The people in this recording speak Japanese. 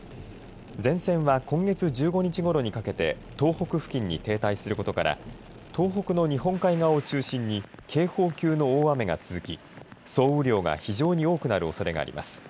前線は今月１５日ごろにかけて東北付近に停滞することから東北の日本海側を中心に警報級の大雨が続き、総雨量が非常に多くなるおそれがあります。